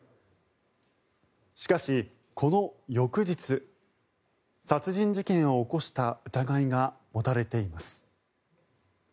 しかし、この翌日殺人事件を起こした疑いが持たれています。